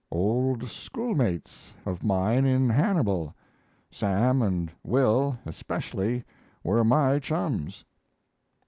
"Old schoolmates of mine in Hannibal. Sam and Will especially were my chums."